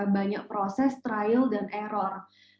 banyak proses trial dan error